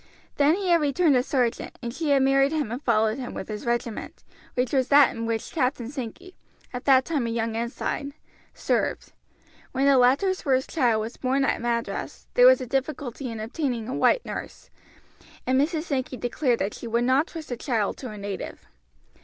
Then he had returned a sergeant, and she had married him and followed him with his regiment, which was that in which Captain Sankey at that time a young ensign served. When the latter's first child was born at Madras there was a difficulty in obtaining a white nurse, and Mrs. Sankey declared that she would not trust the child to a native.